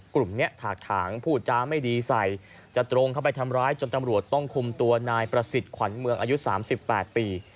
กลุ่มนี้ถากถางพูดจาไม่ดีใส่จะตรงเข้าไปทำร้ายจนตำรวจต้องคุมตัวนายประสิทธิ์ขวัญเมืองอายุ๓๘ปี